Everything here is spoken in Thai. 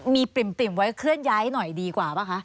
มีปริ่มไว้เคลื่อนย้ายหน่อยดีกว่าป่ะคะ